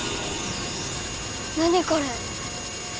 何これ？